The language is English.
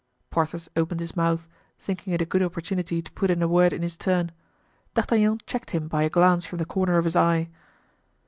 Porthos opened his mouth, thinking it a good opportunity to put in a word in his turn; D'Artagnan checked him by a glance from the corner of his eye.